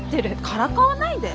からかわないで。